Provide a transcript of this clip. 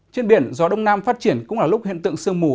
trên biển gió đông nam phát triển cũng là lúc hiện tượng sương mù